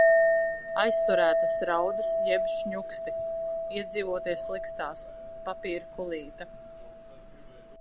Aizturētas raudas jeb šņuksti. Iedzīvoties likstās. Papīra kulīte.